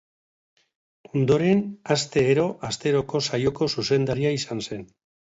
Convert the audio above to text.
Ondoren, Aste ero asteroko saioko zuzendaria izan zen.